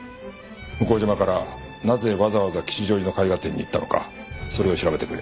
向島からなぜわざわざ吉祥寺の絵画展に行ったのかそれを調べてくれ。